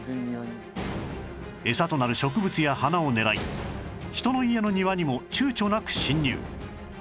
餌となる植物や花を狙い人の家の庭にも躊躇なく侵入